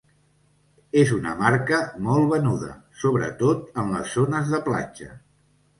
És una marca molt venuda, sobretot en les zones de platja.